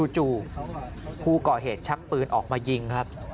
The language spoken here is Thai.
จู่ผู้ก่อเหตุชักปืนออกมายิงครับ